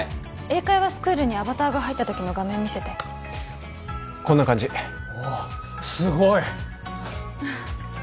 英会話スクールにアバターが入った時の画面見せてこんな感じおおすごい！